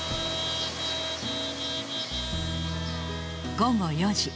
午後４時。